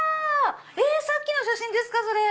さっきの写真ですか⁉それ。